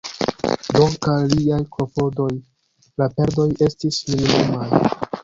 Dank'al liaj klopodoj, la perdoj estis minimumaj.